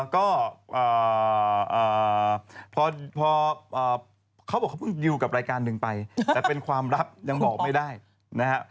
ก็พอเขาบอกเขาเพิ่งดิวกับรายการหนึ่งไปแต่เป็นความลับยังบอกไม่ได้นะฮะ